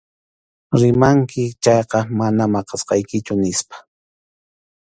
Rimanki chayqa mana maqasaykichu, nispa.